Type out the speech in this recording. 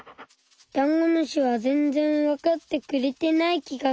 ダンゴムシは全然わかってくれてない気がする。